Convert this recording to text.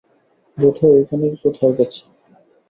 বোধ হয় ঐখানেই কোথাও আছে।